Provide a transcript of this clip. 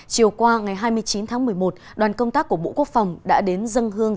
chiều qua ngày hai mươi chín tháng một mươi một đoàn công tác của bộ quốc phòng đã đến dân hương